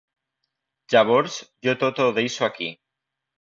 Llavors, jo tot ho deixo aquí.